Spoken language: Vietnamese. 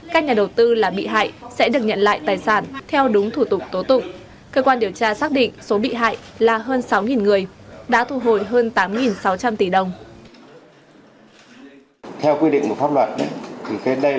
các nhà đầu tư là bị hại sẽ được nhận lại tài sản theo đúng thủ tục tố tụng cơ quan điều tra xác định số bị hại là hơn sáu người đã thu hồi hơn tám sáu trăm linh tỷ đồng